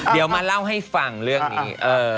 เดี๋ยวมาเล่าให้ฟังเรื่องนี้